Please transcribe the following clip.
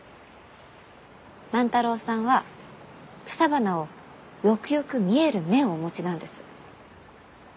万太郎さんは草花をよくよく見える目をお持ちなんです。